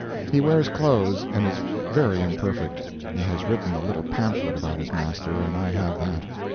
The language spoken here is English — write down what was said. He wears clothes and is very imperfect. He has written a little pamphlet about his master, and I have that.